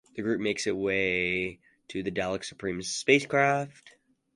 The group makes its way to the Dalek Supreme's spacecraft.